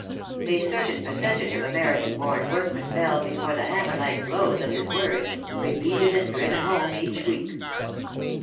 A certain percentage of American born workmen fell before the hammer like blows of his words, repeated and driven home each week.